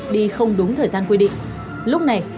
đi không đúng thời gian quy định